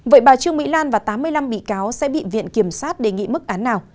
vậy bà trương mỹ lan và tám mươi năm bị cáo sẽ bị viện kiểm sát đề nghị mức án nào